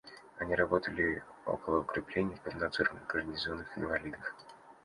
Они работали около укреплений, под надзором гарнизонных инвалидов.